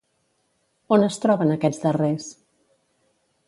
On es troben aquests darrers?